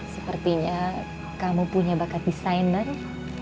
sepertinya kamu punya bakat desain baru